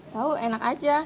tahu enak aja